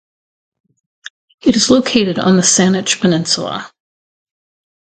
It is located on the Saanich Peninsula.